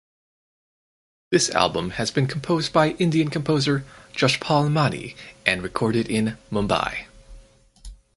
This album has been composed by Indian composer Joshpal Mani and recorded in Mumbai.